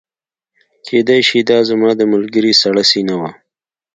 کیدای شي دا زما د ملګري سړه سینه وه